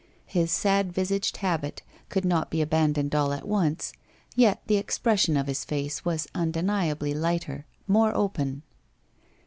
His sad visaged habit could not be abandoned all at once, yet the expression of his face was undeniably lighter, more open.